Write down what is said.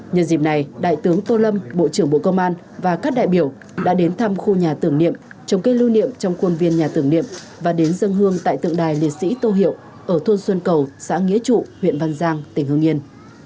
nhân dịp này đại tướng tô lâm bộ trưởng bộ công an và các đại biểu đã đến thăm khu nhà tưởng niệm trồng cây lưu niệm trong quân viên nhà tưởng niệm và đến dân hương tại tượng đài liệt sĩ tô hiệu ở thôn xuân cầu xã nghĩa trụ huyện văn giang tỉnh hương yên